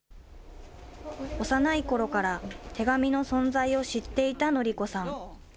幼いころから手紙の存在を知っていた紀子さん。